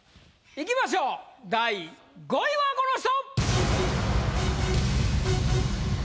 いきましょう第５位はこの人！